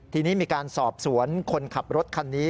ทีนี้มีการสอบสวนคนขับรถคันนี้